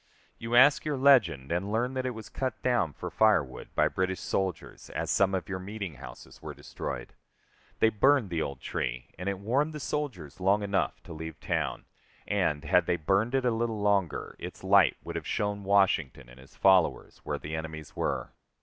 You ask your legend, and learn that it was cut down for firewood by British soldiers, as some of your meeting houses were destroyed; they burned the old tree, and it warmed the soldiers long enough to leave town, and, had they burned it a little longer, its light would have shown Washington and his followers where their enemies were.